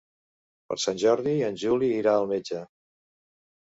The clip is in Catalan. Per Sant Jordi en Juli irà al metge.